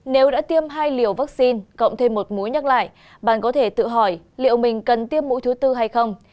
nếu đã tiêm hai liều vaccine cộng thêm một mối nhắc lại bạn có thể tự hỏi liệu mình cần tiêm mũi thứ tư hay không